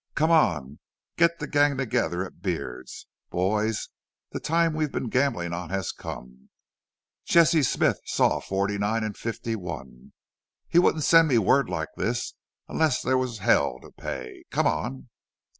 "Come on. Get the gang together at Beard's.... Boys, the time we've been gambling on has come. Jesse Smith saw '49 and '51. He wouldn't send me word like this unless there was hell to pay.... Come on!"